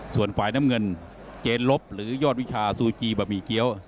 ส่วนฝ่ายน้ำเงินเจนลบหรือยอดวิชาซูจีบะหมี่เกี้ยว